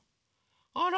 あら。